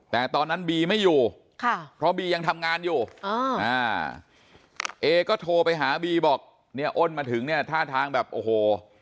แต่ตอนนั้นบีไม่อยู่เพราะบียังทำงานอยู่เอก็โทรไปหาบีบอกเนี่ยอ้นมาถึงเนี่ยท่าทางแบบโอ้โห